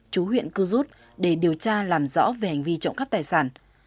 chú huyện cư rút để điều tra làm rõ về hành vi trộm cắp tài sản